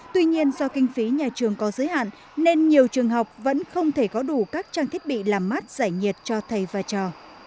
tuy nhiên do kinh phí nhà trường có giới hạn nên nhiều trường học vẫn không thể có đủ các trang thiết bị làm mát giải nhiệt cho thầy và trò